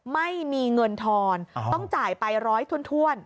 ไม่มีเงินทอนต้องจ่ายไปร้อยถ้วน